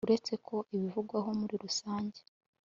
uretse ko ibivugaho muri rusange